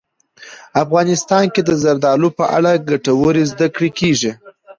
افغانستان کې د زردالو په اړه ګټورې زده کړې کېږي.